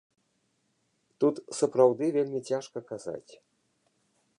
Тут сапраўды вельмі цяжка казаць.